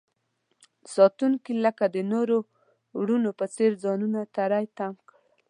ساتونکي لکه د نورو ورونو په څیر ځانونه تری تم کړل.